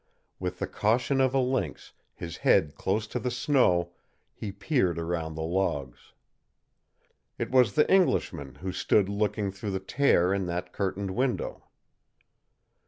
With the caution of a lynx, his head close to the snow, he peered around the logs. It was the Englishman who stood looking through the tear in that curtained window.